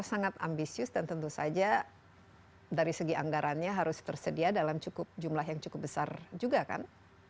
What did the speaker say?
sangat ambisius dan tentu saja dari segi anggarannya harus tersedia dalam jumlah yang cukup besar juga kan